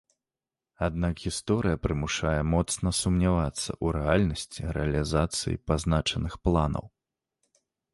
Аднак гісторыя прымушае моцна сумнявацца ў рэальнасці рэалізацыі пазначаных планаў.